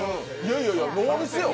いやいや、ノーミスよ。